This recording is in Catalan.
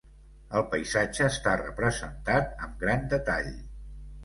El paisatge està representat amb gran detall.